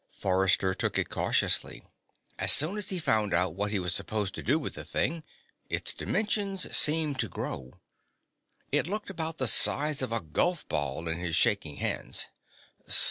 Forrester took it cautiously. As soon as he found out what he was supposed to do with the thing, its dimensions seemed to grow. It looked about the size of a golf ball in his shaking hands.